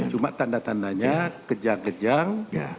cuma tanda tandanya kejang kejang